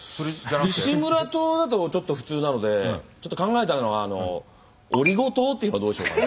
西村塔だとちょっと普通なのでちょっと考えたのがっていうのはどうでしょうかね？